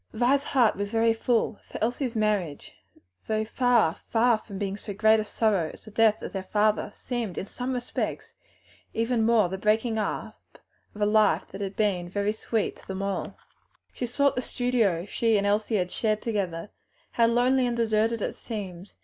Vi's heart was very full, for Elsie's marriage, though far, far from being so great a sorrow as the death of their father, seemed in some respects even more the breaking up of a life that had been very sweet. She sought the studio she and Elsie had shared together (how lonely and deserted it seemed!)